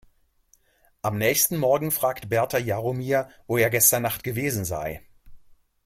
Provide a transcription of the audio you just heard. Am nächsten Morgen fragt Berta Jaromir, wo er gestern Nacht gewesen sei.